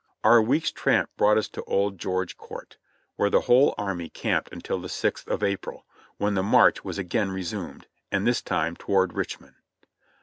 Our week's tramp brought us to Orange Court House, where the whole army camped until the sixth of April, when the march was again resumed, and this time toward Richmond.